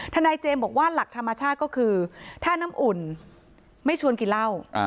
นายเจมส์บอกว่าหลักธรรมชาติก็คือถ้าน้ำอุ่นไม่ชวนกินเหล้า